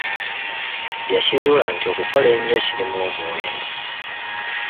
Yakizuula nti okukola ennyo kirimu omuwendo.